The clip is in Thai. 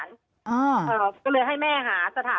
มันเป็นอาหารของพระราชา